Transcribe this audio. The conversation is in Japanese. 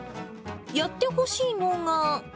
やってほしいのが。